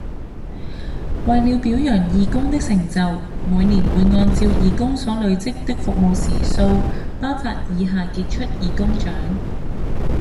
為了表揚義工的成就，每年會按照義工所累積的服務時數，頒發以下傑出義工獎